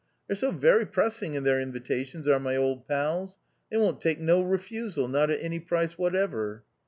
They're so wery pressing in their invitations, are my old pals, they won't take no refusal, not at any price whatever."